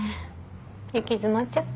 行き詰まっちゃった？